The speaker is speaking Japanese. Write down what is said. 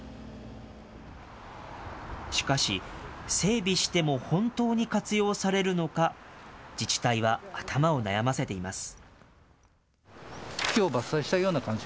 しかし、整備しても本当に活用されるのか、自治体は頭を悩ませています。